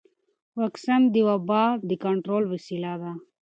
واکسن د وبا د کنټرول وسیله ده.